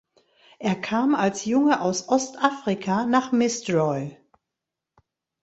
Er kam als Junge aus Ostafrika nach Misdroy.